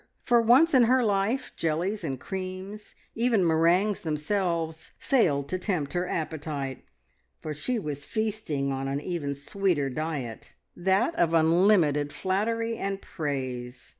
For once in her life jellies and creams, even meringues themselves, failed to tempt her appetite, for she was feasting on an even sweeter diet that of unlimited flattery and praise.